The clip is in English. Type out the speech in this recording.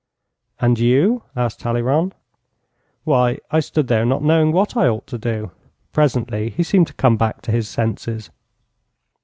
'And you?' asked Talleyrand. 'Why, I stood there not knowing what I ought to do. Presently he seemed to come back to his senses.